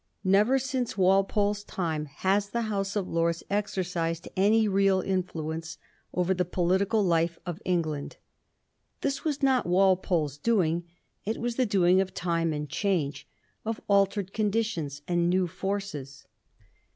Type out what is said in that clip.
Never, since Walpole's time, has the House of Lords exercised any real influence over the political life of England. This was not Walpole's doing ; it was the doing of time and change, of altered conditions and new forces.